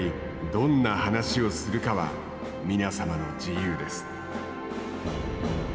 どんな話をするかは皆様の自由です。